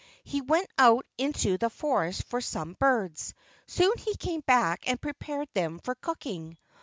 He went out into the forest for some birds. Soon he came back and prepared them for cooking.